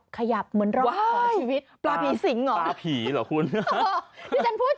คุณกินต่อไหมเดี๋ยวลองดูค่ะ